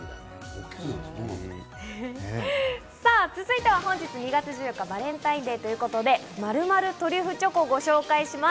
続いては、本日２月１４日バレンタインデーということで、○○トリュフチョコをご紹介します。